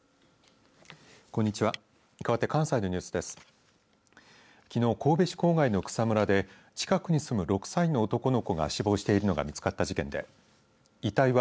こんにちは。